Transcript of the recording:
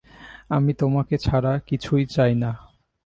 আমি তোমাকে ছাড়া কিছু চাই না।